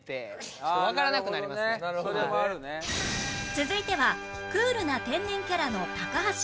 続いてはクールな天然キャラの高橋